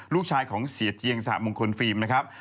ลูกชายของเสียเทียงสหมงคลฟิล์มนะครับ